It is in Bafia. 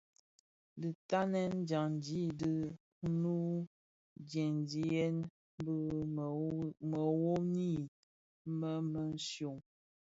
Dhi ntanen dyandi di nud ndhemziyèn bi mëwoni më mëshyom.